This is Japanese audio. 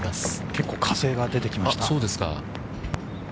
◆結構風が出てきました。